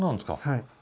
はい。